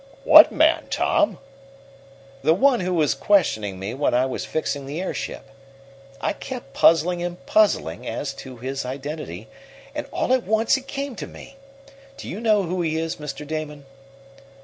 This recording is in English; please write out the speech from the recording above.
"What man, Tom?" "The one who was questioning me when I was fixing the airship. I kept puzzling and puzzling as to his identity, and, all at once, it came to me. Do you know who he is, Mr. Damon?"